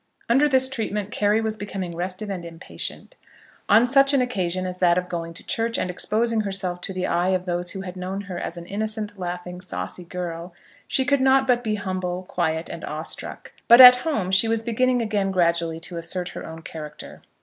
Under this treatment Carry was becoming restive and impatient. On such an occasion as that of going to church and exposing herself to the eyes of those who had known her as an innocent, laughing, saucy girl, she could not but be humble, quiet, and awestruck; but at home she was beginning again gradually to assert her own character.